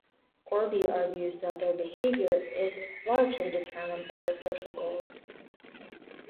Orbe argues that their behavior is largely determined by their social goals.